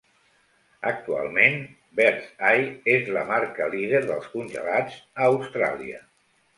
Actualment, Birds Eye és la marca líder de congelats a Austràlia.